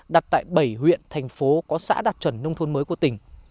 đặt tại bảy huyện thành phố có xã đặc trần nông thôn mới của tỉnh